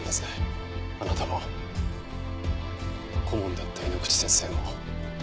あなたも顧問だった井ノ口先生も。